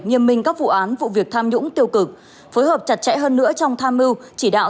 nghiêm minh các vụ án vụ việc tham nhũng tiêu cực phối hợp chặt chẽ hơn nữa trong tham mưu chỉ đạo